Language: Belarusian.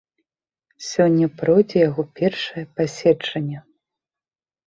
Сёння пройдзе яго першае паседжанне.